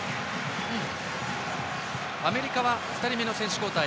アメリカは２人目の選手交代。